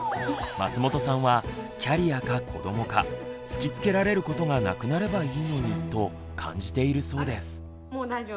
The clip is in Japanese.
松本さんはキャリアか子どもか突きつけられることがなくなればいいのにと感じているそうです。